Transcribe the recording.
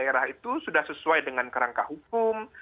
daerah itu sudah sesuai dengan kerangka hukum